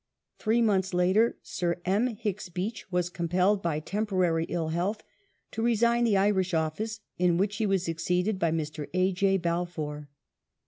Thi ee months later Sir M. Hicks Beach was compelled, by temporary ill health, to resign the Irish Office in which he was succeeded by Mr. A. J. Balfour.